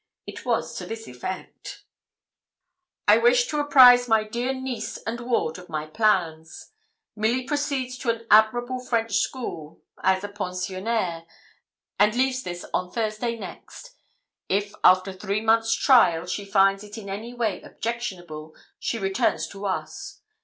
It was to this effect: 'I wish to apprise my dear niece and ward of my plans. Milly proceeds to an admirable French school, as a pensionnaire, and leaves this on Thursday next. If after three months' trial she finds it in any way objectionable, she returns to us.